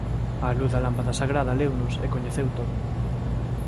Á luz da lámpada sagrada leunos e coñeceu todo.